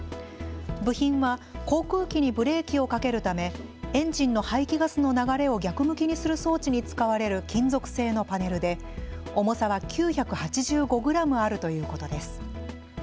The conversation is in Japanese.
部品は航空機にブレーキをかけるためエンジンの排気ガスの流れを逆向きにする装置に使われる金属製のパネルで重さは９８５グラムあるということです。